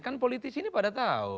kan politisi ini pada tahu